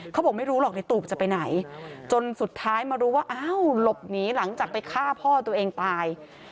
เขาบอกไม่รู้หรอกในตูบจะไปไหนจนสุดท้ายมารู้ว่าอ้าวหลบหนีหลังจากไปฆ่าพ่อตัวเองตาย